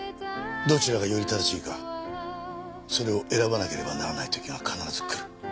どちらがより正しいかそれを選ばなければならない時が必ずくる。